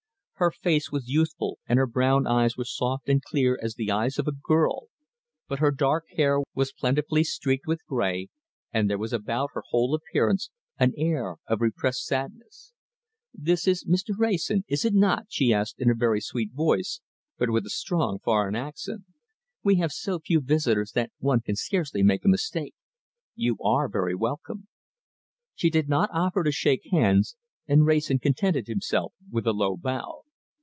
Her face was youthful, and her brown eyes were soft and clear as the eyes of a girl, but her dark hair was plentifully streaked with grey, and there was about her whole appearance an air of repressed sadness. "This is Mr. Wrayson, is it not?" she asked, in a very sweet voice, but with a strong foreign accent. "We have so few visitors that one can scarcely make a mistake. You are very welcome." She did not offer to shake hands, and Wrayson contented himself with a low bow.